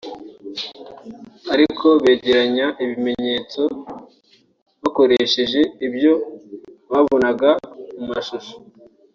ariko begeranya ibimenyetso bakoresheje ibyo babonaga mu mashusho